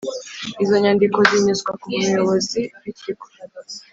Izo nyandiko zinyuzwa ku muyobozi w’ikigo